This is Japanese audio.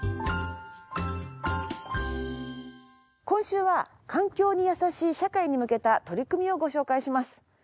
今週は環境に優しい社会に向けた取り組みをご紹介します。